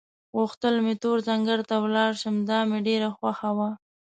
غوښتل مې تور ځنګله ته ولاړ شم، دا مې ډېره خوښه وه.